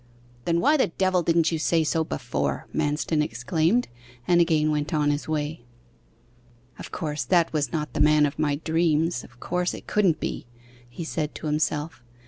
'Then, why the devil didn't you say so before!' Manston exclaimed, and again went on his way. 'Of course, that was not the man of my dreams of course, it couldn't be!' he said to himself.